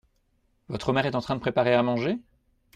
Votre mère est en train de préparer à manger ?